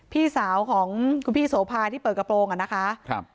พี่สาวของคุณพี่โสภาที่เปิดกระโปรงอ่ะนะคะครับ